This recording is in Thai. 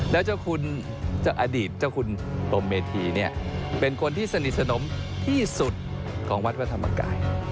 แล้วเจ้าคุณอดีตเจ้าคุณพรมเมธีเนี่ยเป็นคนที่สนิทสนมที่สุดของวัดพระธรรมกาย